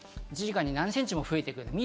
１時間に７ｃｍも増えてくる。